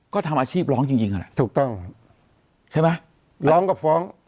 ก็ทำอาชีพร้องจริงนั่นแหละถูกต้องใช่ไหมร้องกับฟ้อง